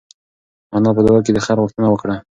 انا په دعا کې د خیر غوښتنه وکړه.